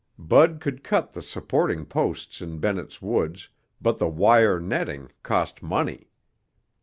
Bud could cut the supporting posts in Bennett's Woods, but wire netting cost money.